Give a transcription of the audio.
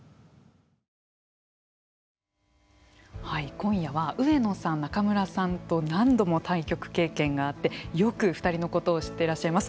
今夜は上野さん、仲邑さんと何度も対局経験があってよく２人のことを知っていらっしゃいます